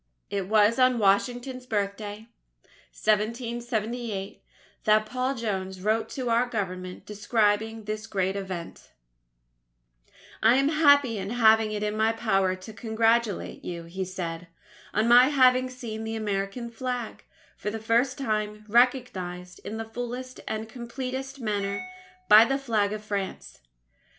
It was on Washington's Birthday, 1778, that Paul Jones wrote to our Government describing this great event: "I am happy in having it in my power to congratulate you," he said, "on my having seen the American Flag, for the first time, recognized in the fullest and completest manner by the Flag of France.